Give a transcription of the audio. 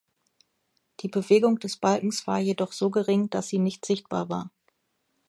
Die Bewegung des Balkens war jedoch so gering, dass sie nicht sichtbar war.